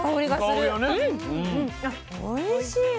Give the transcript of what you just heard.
あおいしい。